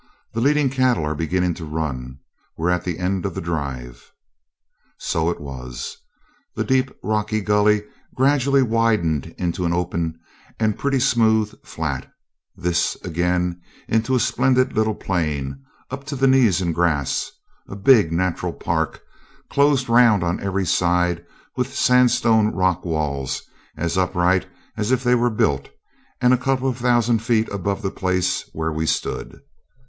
The leading cattle are beginning to run. We're at the end of the drive.' So it was. The deep, rocky gully gradually widened into an open and pretty smooth flat; this, again, into a splendid little plain, up to the knees in grass; a big natural park, closed round on every side with sandstone rockwalls, as upright as if they were built, and a couple of thousand feet above the place where we stood.